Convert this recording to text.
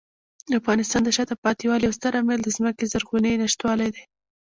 د افغانستان د شاته پاتې والي یو ستر عامل د ځمکې زرغونې نشتوالی دی.